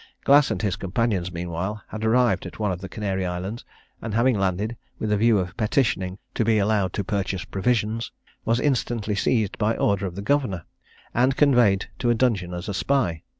Glass and his companions meanwhile had arrived at one of the Canary islands, and having landed, with a view of petitioning to be allowed to purchase provisions, was instantly seized by order of the governor, and conveyed to a dungeon as a spy.